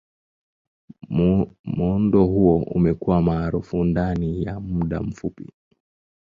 Muundo huu umekuwa maarufu ndani ya muda mfupi.